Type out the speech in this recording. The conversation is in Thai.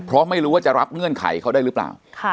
เพราะไม่รู้ว่าจะรับเงื่อนไขเขาได้หรือเปล่า